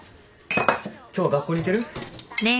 今日は学校に行ける？